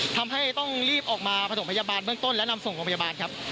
ทำให้ต้องรีบออกมาผสมพยาบาลเบื้องต้นและนำส่งโรงพยาบาลครับ